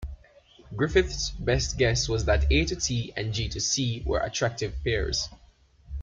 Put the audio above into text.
Griffith's best guess was that A:T and G:C were attractive pairs.